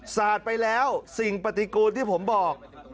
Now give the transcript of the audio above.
สาดไปแล้วสิ่งปฏิกูลที่ผมบอก